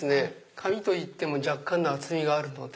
紙といっても若干の厚みがあるので。